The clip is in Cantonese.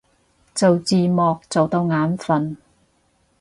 做字幕做到眼憤